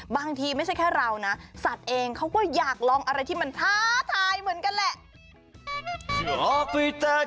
บางทีไม่ใช่แค่เรานะสัตว์เองเขาก็อยากลองอะไรที่มันท้าทายเหมือนกันแหละ